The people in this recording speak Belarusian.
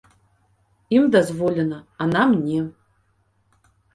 Ім дазволена, а нам не.